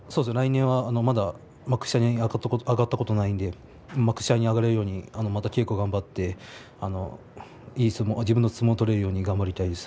まだ幕下に上がったことがないので幕下に上がれるように稽古を頑張って自分の相撲を取れるように頑張りたいです。